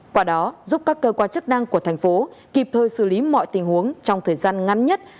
quả đó giúp các cơ quan chức năng của thành phố kịp thời xử lý mọi tình huống trong thời gian ngắn nhất